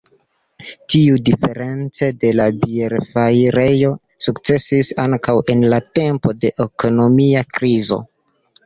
Tiu, diference de la bierfarejo, sukcesis ankaŭ en la tempo de ekonomia krizo.